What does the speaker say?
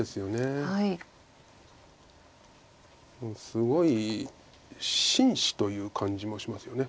すごい紳士という感じもしますよね。